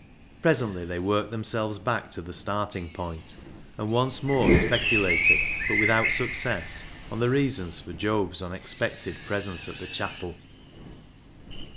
Presently they worked themselves back to the starting point, and once more speculated, but without success, on the reasons for Job's unexpected presence at the chapel.